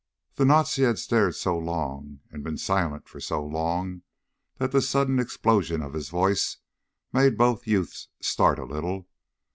The Nazi had stared so long, and been silent for so long, that the sudden explosion of his voice made both youths start a little.